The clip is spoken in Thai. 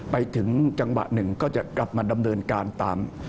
ไปถึงจังหวะหนึ่งก็จะกลับมาดำเนินการตาม